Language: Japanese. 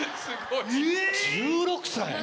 １６歳。